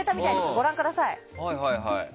ご覧ください。